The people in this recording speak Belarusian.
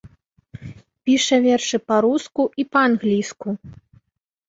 Піша вершы па-руску і па-англійску.